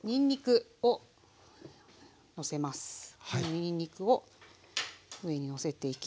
にんにくを上にのせていきます。